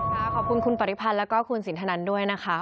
ขอบคุณคุณปริพันธ์แล้วก็คุณสินทนันด้วยนะคะ